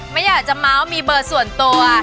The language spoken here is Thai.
ไม่อยากจะเมาส์มีเบอร์ส่วนตัว